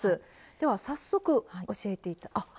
では早速教えてあっ。